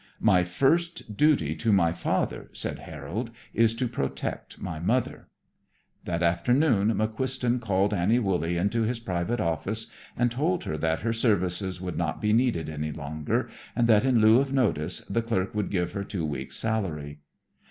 "My first duty to my father," said Harold, "is to protect my mother." That afternoon McQuiston called Annie Wooley into his private office and told her that her services would not be needed any longer, and that in lieu of notice the clerk would give her two weeks' salary.